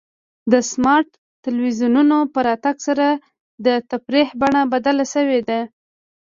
د سمارټ ټلویزیونونو په راتګ سره د تفریح بڼه بدله شوې ده.